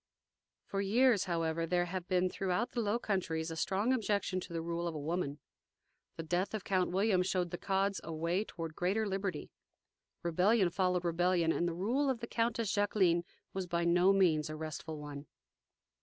For years, however, there had been throughout the Low Countries a strong objection to the rule of a woman. The death of Count William showed the Cods a way toward greater liberty. Rebellion followed rebellion, and the rule of the Countess Jacqueline was by no means a restful one.